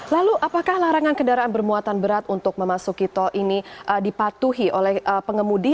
lalu apakah larangan kendaraan bermuatan berat untuk memasuki tol ini dipatuhi oleh pengemudi